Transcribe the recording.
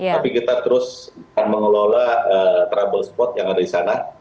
tapi kita terus akan mengelola trouble spot yang ada di sana